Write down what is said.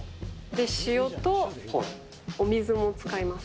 で、塩とお水も使います。